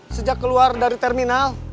sejak keluar dari terminal